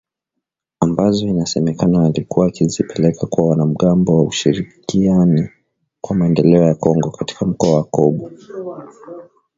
Ambazo inasemekana alikuwa akizipeleka kwa wanamgambo wa Ushirikiani kwa Maendeleo ya kongo katika mkoa wa Kobu.